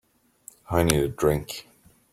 I need a drink.